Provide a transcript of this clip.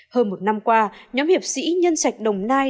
hơn một năm qua nhóm hiệp sĩ nhân trạch đồng nai